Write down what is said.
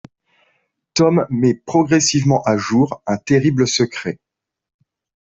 Tom met progressivement à jour un terrible secret.